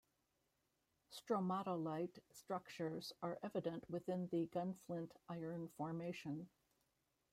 Stromatolite structures are evident within the Gunflint Iron Formation.